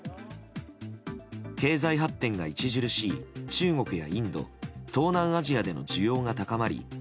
経済発展が著しい中国やインド東南アジアでの需要が高まり